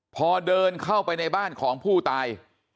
พอเดินเข้าไปในบ้านของผู้ตาย